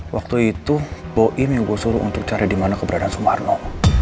waktu itu boim yang gue suruh untuk cari dimana keberadaan sumarno